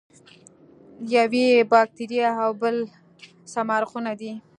یو یې باکتریا او بل سمارقونه دي.